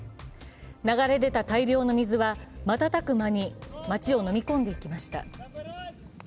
流れ出た大量の水は瞬く間に町をのみ込んでいきました。